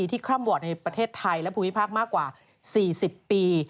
ที่คลั่มวัดในประเทศไทยและภูมิภาคมากกว่า๔๐ปี